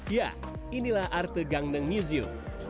ya inilah arte gangneng museum